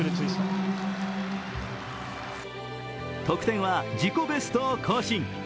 得点は自己ベストを更新。